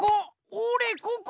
おれここ！